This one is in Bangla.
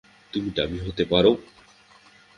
তুমি ডামি হতে পারো।